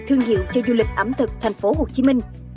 thương hiệu cho du lịch ẩm thực tp hcm